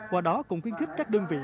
qua đó cũng khuyến khích các đơn vị